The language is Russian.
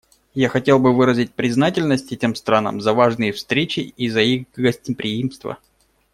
Я хотел бы выразить признательность этим странам за важные встречи и за их гостеприимство.